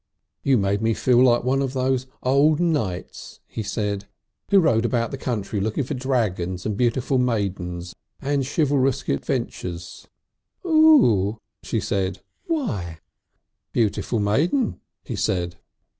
"You make me feel like one of those old knights," he said, "who rode about the country looking for dragons and beautiful maidens and chivalresque adventures." "Oh!" she said. "Why?" "Beautiful maiden," he said.